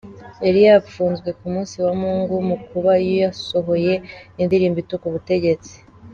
Yari yapfunzwe ku munsi wa Mungu mu kuba yasohoye indirimbo ituka ubutegetsi.